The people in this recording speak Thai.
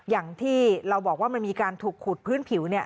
อย่างที่เราบอกว่ามันมีการถูกขุดพื้นผิวเนี่ย